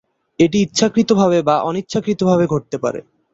এটি ইচ্ছাকৃতভাবে বা অনিচ্ছাকৃতভাবে ঘটতে পারে।